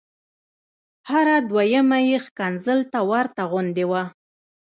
هره دویمه یې ښکنځل ته ورته غوندې وه.